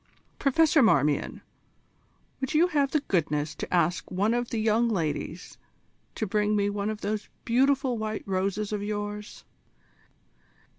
Professor Marmion, would you have the goodness to ask one of the young ladies to bring me one of those beautiful white roses of yours?"